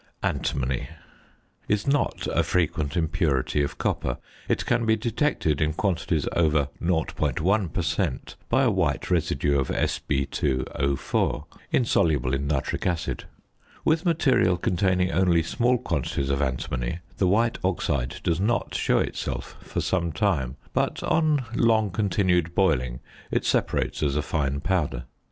~Antimony~ is not a frequent impurity of copper: it can be detected in quantities over 0.1 per cent. by a white residue of Sb_O_, insoluble in nitric acid. With material containing only small quantities of antimony the white oxide does not show itself for some time, but on long continued boiling it separates as a fine powder.